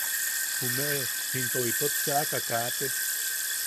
Jumeʼe into itot chaʼaka kaate.